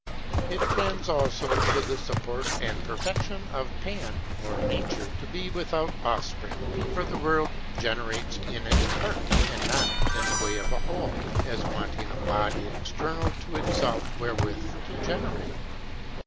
It tends, also, to the support and perfection of Pan, or nature, to be without offspring; for the world generates in its parts, and not in the way of a whole, as wanting a body external to itself wherewith to generate.